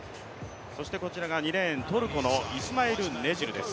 ２レーン、トルコのイスマイル・ネジルです。